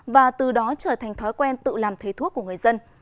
và từ đó trở thành thói quen tự làm thầy thuốc của người dân